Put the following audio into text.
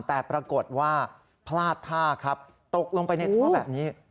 แต่ปรากฏว่าพลาดท่าครับตกลงไปในท่อแบบนี้